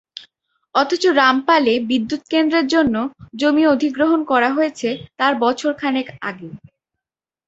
অথচ রামপালে বিদ্যুৎকেন্দ্রের জন্য জমি অধিগ্রহণ করা হয়েছে তার বছর খানেক আগে।